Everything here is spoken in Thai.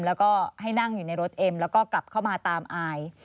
แล้วก็ให้นั่งอยู่ในรถเอ็มแล้วก็กลับเข้ามาตามอาย